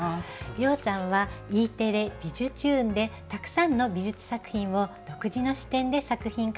涼さんはＥテレ「びじゅチューン！」でたくさんの美術作品を独自の視点で作品化されています。